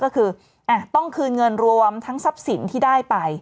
ก็คือต้องคืนเงินรวมทั้งทรัพย์สินที่ได้ไป